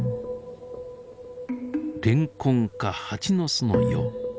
レンコンかハチの巣のよう。